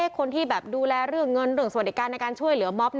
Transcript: คนที่ดูแลเรื่องเงินเรื่องสวัสดิการในการช่วยเหลือม็อบ